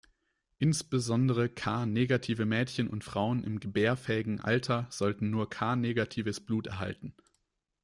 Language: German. Insbesondere K-negative Mädchen und Frauen im gebärfähigen Alter sollten nur K-negatives Blut erhalten.